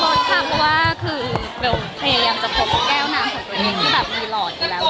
รู้จักว่าพยายามจะพบแก้วน้ำของตัวเองที่มีหล่ออีกแล้ว